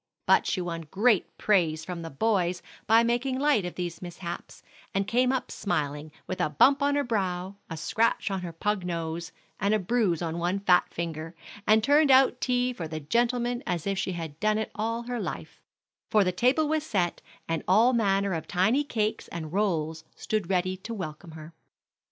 But she won great praise from the boys by making light of these mishaps, and came up smiling, with a bump on her brow, a scratch on her pug nose, and a bruise on one fat finger, and turned out tea for the gentlemen as if she had done it all her life; for the table was set, and all manner of tiny cakes and rolls stood ready to welcome her.